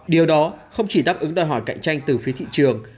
điều đó không chỉ đáp ứng đòi hỏi cạnh tranh từ phía thị trường